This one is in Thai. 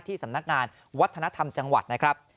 สำนักงานวัฒนธรรมจังหวัดนะครับ